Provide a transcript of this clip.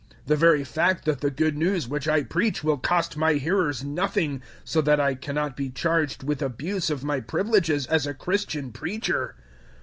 The very fact that the Good News which I preach will cost my hearers nothing, so that I cannot be charged with abuse of my privileges as a Christian preacher.